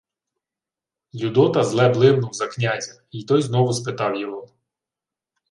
Людота зле блимнув за князя, й той знову спитав його: